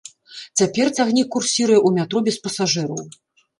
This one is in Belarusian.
Цяпер цягнік курсіруе ў метро без пасажыраў.